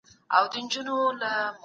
«ناشناس» سره مرکه سوې وه. په دې ترڅ کي د